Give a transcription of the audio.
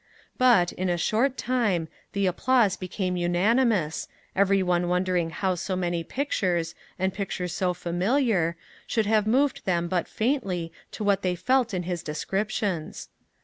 But, in a short time, the applause became unanimous, every one wondering how so many pictures, and pictures so familiar, should have moved them but faintly to what they felt in his descriptions.